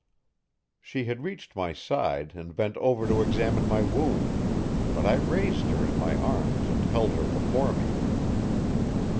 She had reached my side and bent over to examine my wound; but I raised her in my arms and held her before me.